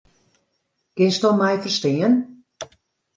Kinsto my ferstean?